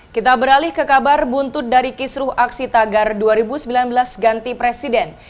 kita beralih ke kabar buntut dari kisruh aksi tagar dua ribu sembilan belas ganti presiden